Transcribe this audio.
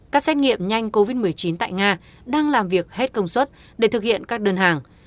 các xét nghiệm nhanh covid một mươi chín tại nga đang làm việc hết công suất để thực hiện các đơn hàng